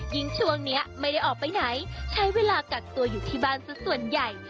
ช่วงนี้ไม่ได้ออกไปไหนใช้เวลากักตัวอยู่ที่บ้านสักส่วนใหญ่